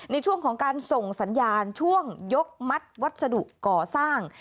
ในช่วงของการส่งสัญญาณช่วงยกมัดวัสดุก่อสร้าง